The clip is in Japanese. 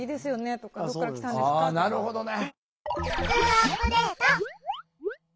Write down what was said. あなるほどね。